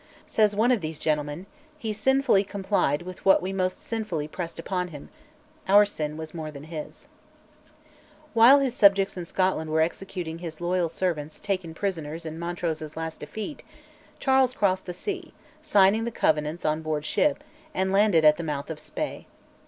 Says one of these gentlemen, "He ... sinfully complied with what we most sinfully pressed upon him, ... our sin was more than his." While his subjects in Scotland were executing his loyal servants taken prisoners in Montrose's last defeat, Charles crossed the sea, signing the Covenants on board ship, and landed at the mouth of Spey.